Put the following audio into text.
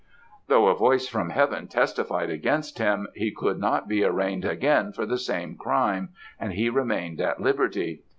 "Though a voice from Heaven testified against him, he could not be arraigned again for the same crime, and he remained at liberty.